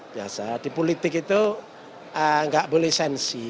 biasa di politik itu nggak boleh sensi